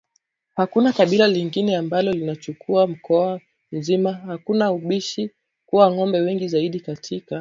hakuna kabila lingine ambalo linachukua mkoa mzima hakuna ubishi kuwa ngombe wengi zaidi katika